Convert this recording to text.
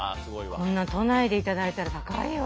こんなの都内で頂いたら高いよ。